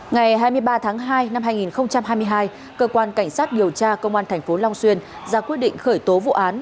ngày hai mươi ba tháng hai năm hai nghìn hai mươi hai cơ quan cảnh sát điều tra công an tp long xuyên ra quyết định khởi tố vụ án